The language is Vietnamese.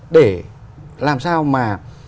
để làm sao mà